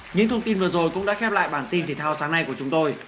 những thông tin vừa rồi cũng đã khép lại bản tin thể thao sáng nay của chúng tôi